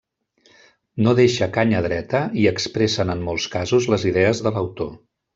No deixa canya dreta, i expressen en molts casos les idees de l'autor.